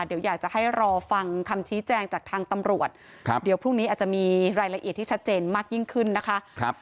เดี๋ยวอยากจะให้รอฟังคำชี้แจงจากทางตำรวจเดี๋ยวพรุ่งนี้อาจจะมีรายละเอียดที่ชัดเจนมากยิ่งขึ้นนะคะ